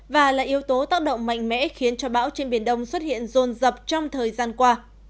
và là yếu tố tác động mạnh mẽ khiến cho bão trên biển đông xuất hiện rôn rập trong thời gian qua